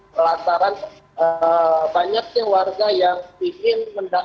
melantaran banyaknya warga yang ingin mendapatkan